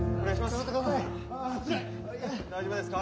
大丈夫ですか。